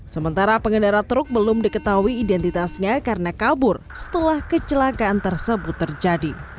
sementara pengendara truk belum diketahui identitasnya karena kabur setelah kecelakaan tersebut terjadi